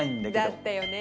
だったよね。